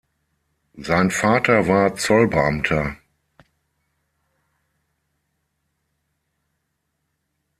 Sein Vater war Zollbeamter.